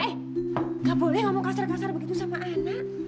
nggak boleh ngomong kasar kasar begitu sama anak